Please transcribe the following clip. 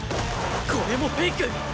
これもフェイク！